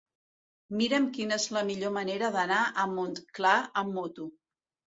Mira'm quina és la millor manera d'anar a Montclar amb moto.